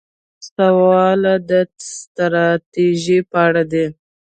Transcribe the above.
څلور څلویښتم سوال د ستراتیژۍ په اړه دی.